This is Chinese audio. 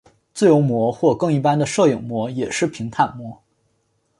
自由模或更一般的射影模也是平坦模。